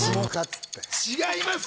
違います。